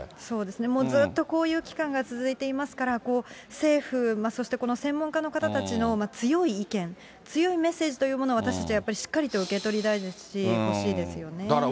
そうですね、もうずっとこういう期間が続いていますから、政府、そしてこの専門家の方たちの強い意見、強いメッセージというものを私たち、やっぱりしっかりと受け取りたいですし、欲しいですよね。